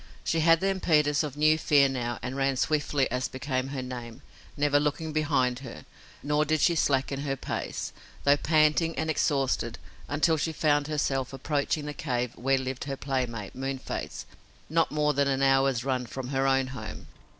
She had the impetus of new fear now and ran swiftly as became her name, never looking behind her, nor did she slacken her pace, though panting and exhausted, until she found herself approaching the cave where lived her playmate, Moonface, not more than an hour's run from her own home.